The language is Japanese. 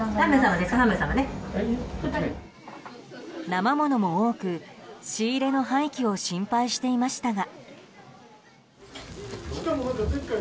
生ものも多く仕入れの廃棄を心配していましたが。